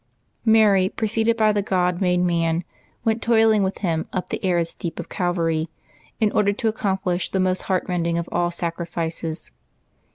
Mary, preceded by the God made man, went toiling with Him up the arid steep of Calvary, in order to accomplish the most heart rending of all sacrifices.